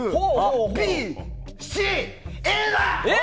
Ｂ、ＣＡだ！